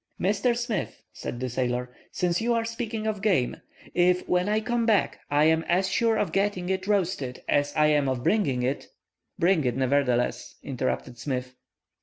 "Mr. Smith," said the sailor, "since you are speaking of game, if when I come back I am as sure of getting it roasted as I am of bringing it—" "Bring it, nevertheless," interrupted Smith.